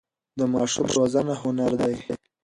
د ماشوم روزنه هنر دی.